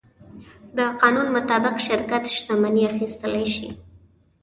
د قانون مطابق شرکت شتمنۍ اخیستلی شي.